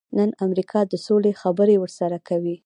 نن امریکا د سولې خبرې ورسره کوي.